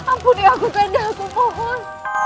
ampuni aku tidurkan dia aku mohon